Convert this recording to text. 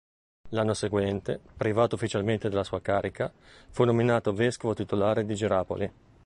L'anno seguente, privato ufficialmente della sua carica, fu nominato vescovo titolare di Gerapoli.